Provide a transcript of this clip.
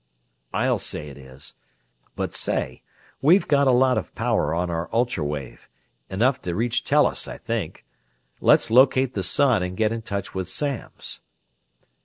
"I'll say it is. But say, we've got a lot of power on our ultra wave: enough to reach Tellus, I think. Let's locate the sun and get in touch with Samms."